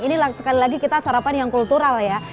ini sekali lagi kita sarapan yang kultural ya